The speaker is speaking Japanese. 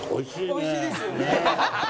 おいしいですよね。